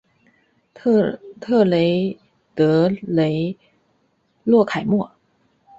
特雷德雷洛凯莫。